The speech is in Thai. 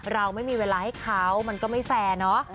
เราไม่มีเวลาให้เขามันก็ไม่แฟร์เนาะ